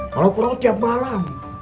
kalau perlu tiap malam